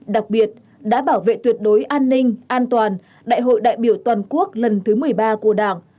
đặc biệt đã bảo vệ tuyệt đối an ninh an toàn đại hội đại biểu toàn quốc lần thứ một mươi ba của đảng